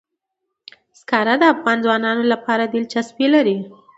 زغال د افغان ځوانانو لپاره دلچسپي لري.